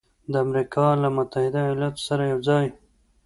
د امریکا له متحده ایالاتو سره یوځای